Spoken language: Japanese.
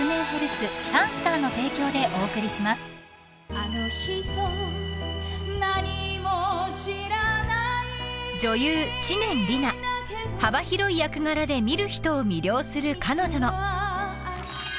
「あの人何も知らない」［幅広い役柄で見る人を魅了する彼女の］